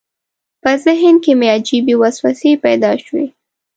په ذهن کې مې عجیبې وسوسې پیدا شوې.